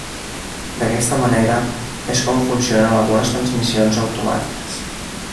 D'aquesta manera és com funcionen algunes transmissions automàtiques.